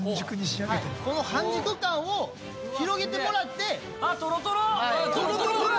この半熟感を広げてもらってとろとろほら